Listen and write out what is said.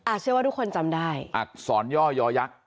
อ่ะเชื่อว่าทุกคนจำได้อ่ะสอนย่อยยักษ์